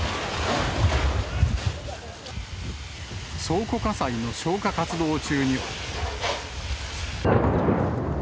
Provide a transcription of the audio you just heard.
倉庫火災の消火活動中に。